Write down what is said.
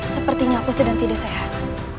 sepertinya aku sedang tidak sehat